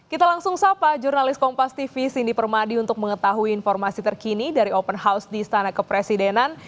kita langsung sapa jurnalis kompas tv cindy permadi untuk mengetahui informasi terkini dari open house di istana kepresidenan